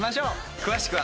詳しくは。